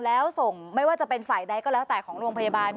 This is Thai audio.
แล้วส่งไม่ว่าจะเป็นฝ่ายใดก็แล้วแต่ของโรงพยาบาล